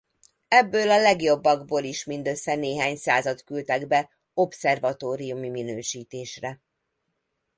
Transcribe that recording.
Ebből a legjobbakból is mindössze néhány százat küldtek be obszervatóriumi minősítésre.